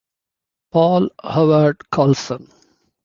Paul Howard Carlson.